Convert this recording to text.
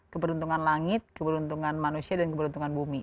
keberuntungan langit keberuntungan manusia dan keberuntungan bumi